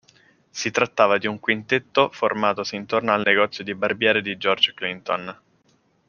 Si trattava di un quintetto formatosi intorno al negozio di barbiere di George Clinton.